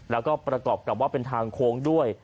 แล้วก็ประกอบกับว่าเป็นทางโค้งด้วย